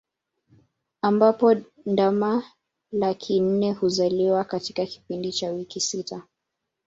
Ambapo ndama laki nne huzaliwa katika kipindi cha wiki sita